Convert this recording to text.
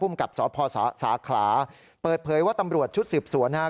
กับสพสาขลาเปิดเผยว่าตำรวจชุดสืบสวนนะครับ